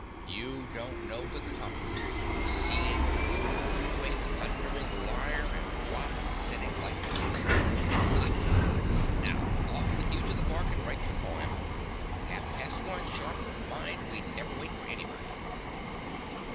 You don't know the comfort of seeing through and through a thundering liar and rotten cynic like that fellow. Ha, ha! Now off with you to the park, and write your poem. Half past one, sharp, mind: we never wait for anybody.